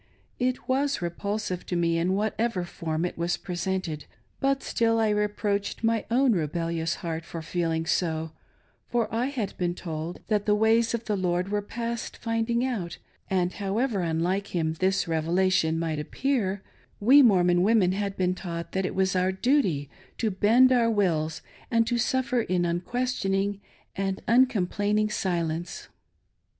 It was repulsive to me in whatever form it was presented, but still I reproached my own rebellious heart for feeling so, for I had been told that the ways of the Lord were past finding out, and however unlike Him this Revelation rnight appear, we Mormon women had been taught that it was our duty to bend our wills and to suffer in unquestioning and uncomplaining silence.